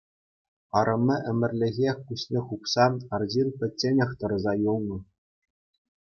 Арӑмӗ ӗмӗрлӗхех куҫне хупсан арҫын пӗчченех тӑрса юлнӑ.